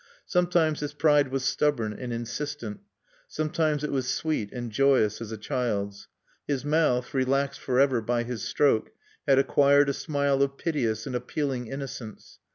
Sometimes this pride was stubborn and insistent; sometimes it was sweet and joyous as a child's. His mouth, relaxed forever by his stroke, had acquired a smile of piteous and appealing innocence.